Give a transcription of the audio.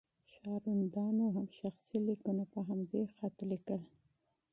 ښاروندانو هم شخصي لیکونه په همدې خط لیکل.